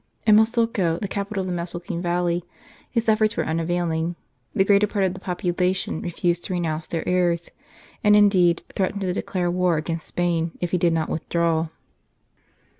At Mesolco, the capital of the Mesolcine Valley, his efforts were unavailing ; the greater part of the population refused to renounce their errors, and, indeed, threatened, to declare war against Spain if he did not withdraw.